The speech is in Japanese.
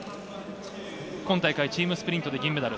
今大会チームスプリントで銀メダル。